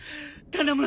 頼む。